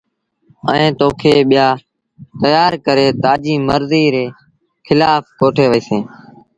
ائيٚݩٚ تو کي ٻيآ تيآر ڪري تآجيٚ مرزيٚ ري کلآڦ ڪوٺي وهيٚسينٚ۔